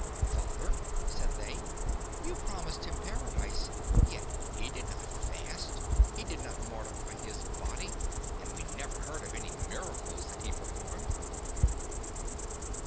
"Father," said they, "you promised him Paradise; yet he did not fast, he did not mortify his body, and we never heard of any miracles that he performed."